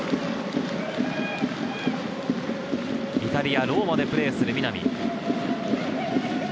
イタリア・ローマでプレーする南。